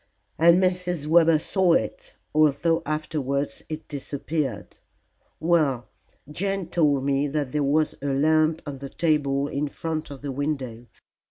"And Mrs. Webber saw it, although afterwards it disappeared. Well, Jane told me that there was a lamp on the table in front of the window.